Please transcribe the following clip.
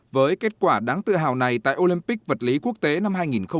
với kết quả đáng tự hào này tại olympic vật lý quốc tế năm hai nghìn một mươi chín